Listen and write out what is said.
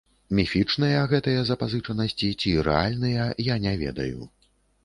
Міфічныя гэтыя запазычанасці ці рэальныя, я не ведаю.